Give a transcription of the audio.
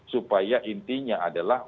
supaya intinya adalah